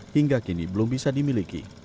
hingga kini belum bisa dimiliki